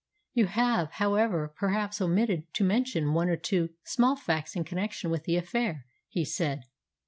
"You have, however, perhaps omitted to mention one or two small facts in connection with the affair," he said.